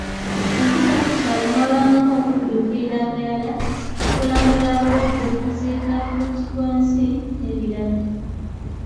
Empisa ku kyalo mwabangamu okudduukirira abayala, okulambula abalwadde, okuziika, bulungibwansi n'ebirala.